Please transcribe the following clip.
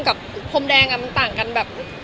กับพรมแดงมันต่างกันแบบ